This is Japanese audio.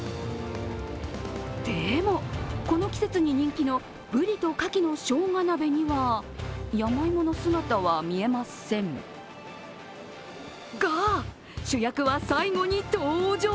でも、この季節に人気の鰤と牡蠣の生姜鍋には山芋の姿は見えませんが、主役は最後に登場。